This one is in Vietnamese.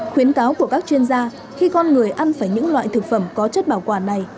khuyến cáo của các chuyên gia khi con người ăn phải những loại thực phẩm có chất bảo quản này